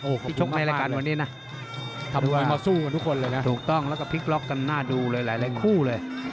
โอ้ขอบคุณมากเลยนะทำมวยมาสู้กันทุกคนเลยนะถูกต้องแล้วก็พลิกล็อกกันหน้าดูเลยหลายคู่เลย